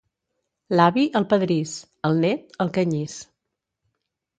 L'avi, al pedrís; el nét, al canyís.